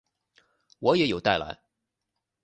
我也有带来